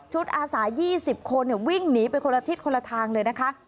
ชุดอาสายี่สิบคนเนี่ยวิ่งหนีไปคนละทิศคนละทางเลยนะคะ